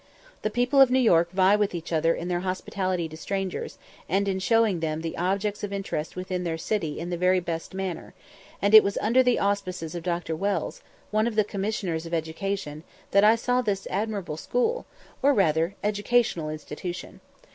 The people of New York vie with each other in their hospitality to strangers, and in showing them the objects of interest within their city in the very best manner; and it was under the auspices of Dr. Wells, one of the commissioners of education, that I saw this admirable school, or rather educational institution.